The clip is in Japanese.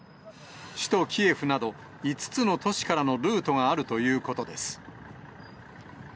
首都キエフなど、５つの都市からのルートがあるということです。